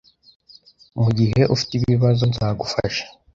Mugihe ufite ibibazo, nzagufasha.